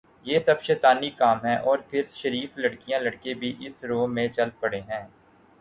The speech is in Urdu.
یہ سب شیطانی کام ہیں اور پھر شریف لڑکیاں لڑکے بھی اس رو میں چل پڑتے ہیں